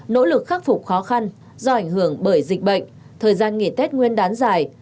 nỗ lực khắc phục khó khăn do ảnh hưởng bởi dịch bệnh thời gian nghỉ tết nguyên đán dài